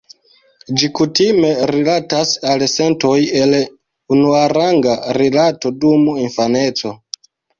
Ĝi kutime rilatas al sentoj el unuaranga rilato dum infaneco.